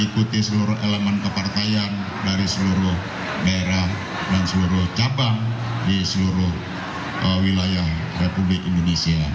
ikuti seluruh elemen kepartaian dari seluruh daerah dan seluruh cabang di seluruh wilayah republik indonesia